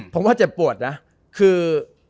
ผมว่าเจ็บปวดนะคือ